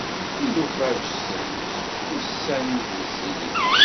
Tilufa ggtent, ussan wezzilit.